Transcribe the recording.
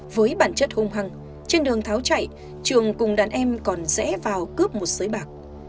với bản chất hung hăng trên đường tháo chạy trường cùng đàn em còn rẽ vào cướp một sới bạc